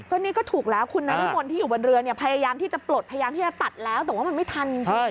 ก็นี่ก็ถูกแล้วคุณนรมนที่อยู่บนเรือเนี่ยพยายามที่จะปลดพยายามที่จะตัดแล้วแต่ว่ามันไม่ทัน